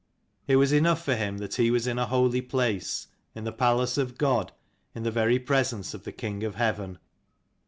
It was enough for him that he was in a holy place, in the palace of God, in the very presence of the King of Heaven.